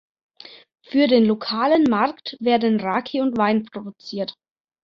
Für den lokalen Markt werden Raki und Wein produziert.